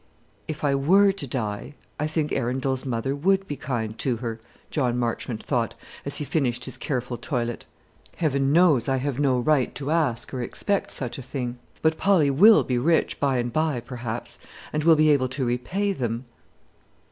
"If I were to die, I think Arundel's mother would be kind to her," John Marchmont thought, as he finished his careful toilet. "Heaven knows, I have no right to ask or expect such a thing; but Polly will be rich by and by, perhaps, and will be able to repay them."